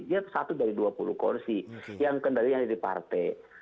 dia satu dari dua puluh kursi yang kendalinya ada di partai